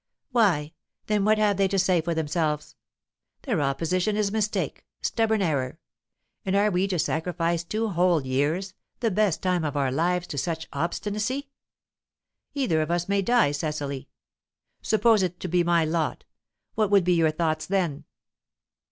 "Why, then what have they to say for themselves? Their opposition is mistake, stubborn error. And are we to sacrifice two whole years, the best time of our lives, to such obstinacy? Either of us may die, Cecily. Suppose it to be my lot, what would be your thoughts then?"